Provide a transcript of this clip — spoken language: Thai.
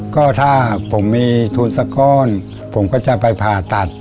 ก็ถ้าผมมีทุนสักก้อนผมก็จะไปผ่าตัด